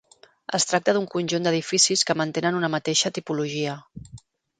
Es tracta d'un conjunt d'edificis que mantenen una mateixa tipologia.